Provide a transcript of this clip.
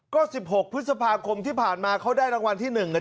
ก็สิบหกพฤษภาคมที่ผ่านมาเขาได้รางวัลที่หนึ่งอ่ะ